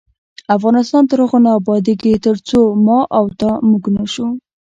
افغانستان تر هغو نه ابادیږي، ترڅو ما او تا "موږ" نشو.